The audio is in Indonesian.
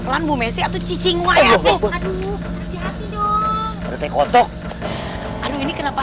tolong jangan ganggu keluar ke saya